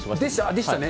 でしたね。